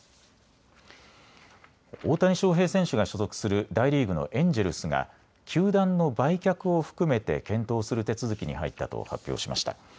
大谷翔平選手が所属する大リーグのエンジェルスが球団の売却を含めて検討する手続きに入ったと発表しました。